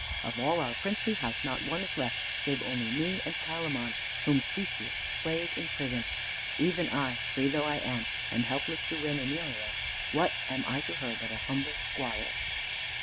Of all our princely house not one is left save only me and Palamon, whom Theseus slays in prison. Even I, free though I am, am helpless to win Emelia. What am I to her but an humble squire?"